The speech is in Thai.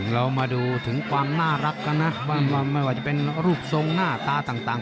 เรามาดูถึงความน่ารักกันนะว่าไม่ว่าจะเป็นรูปทรงหน้าตาต่าง